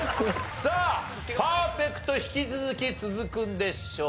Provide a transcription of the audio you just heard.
さあパーフェクト引き続き続くんでしょうか？